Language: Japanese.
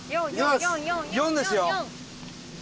「４」ですよ！